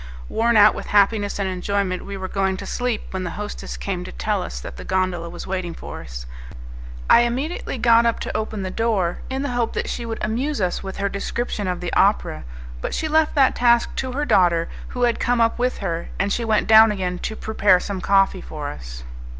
Worn out with happiness and enjoyment, we were going to sleep, when the hostess came to tell us that the gondola was waiting for us. I immediately got up to open the door, in the hope that she would amuse us with her description of the opera; but she left that task to her daughter, who had come up with her, and she went down again to prepare some coffee for us.